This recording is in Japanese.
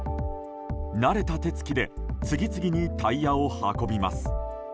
慣れた手つきで次々にタイヤを運びます。